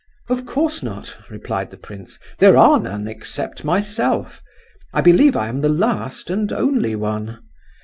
"Of course not," replied the prince; "there are none, except myself. I believe I am the last and only one.